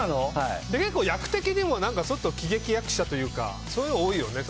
結構役的にもちょっと喜劇役者というかそういうの多いよね。